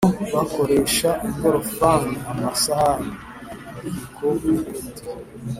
bo bakoresha ingorofani, amasahani, ibiyiko n’ibindi.